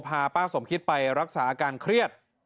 พาป้าสมคิดไปรักษาอาการเครียด